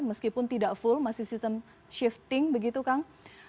meskipun tidak full masih sistem shifting begitu kang